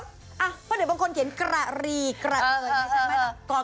เพราะเดี๋ยวบางคนเขียนกะหรี่กะเทยไม่ต้องรอ